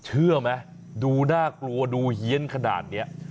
เชื่อมั้ยดูน่ากลัวดูเฮี๊ยนขนาดเนี่ย